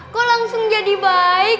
kok langsung jadi baik